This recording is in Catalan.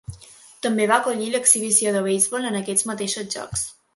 També va acollir l'exhibició de beisbol en aquests mateixos jocs.